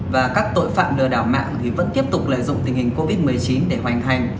và các tội phạm lừa đảo mạng vẫn tiếp tục lợi dụng tình hình covid một mươi chín để hoành hành